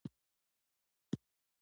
غوږونه له چوپ غږونو هم مطلب اخلي